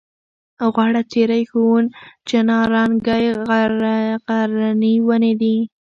غوړه څېرۍ ښوون چناررنګی غرني ونې دي.